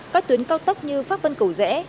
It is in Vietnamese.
các tuyến cao tốc như pháp vân cầu rẽ